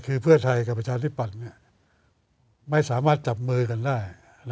คือเพื่อไทยกับประชาธิปัตย์ไม่สามารถจับมือกันได้